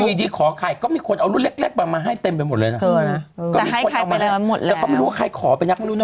วันดีขอใครก็มีคนเอารุ่นแรกมาให้เต็มไปหมดเลยแหละทึ่งบอกทำก็ไม่รู้ว่าใครขอไปสักรูปต่อ